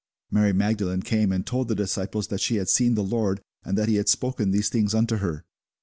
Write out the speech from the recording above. Mary Magdalene came and told the disciples that she had seen the Lord, and that he had spoken these things unto her.